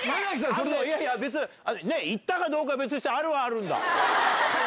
いやいや、別にいったらどうかは別にして、あるはあるんだ。